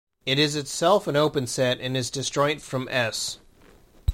It is itself an open set and is disjoint from "S".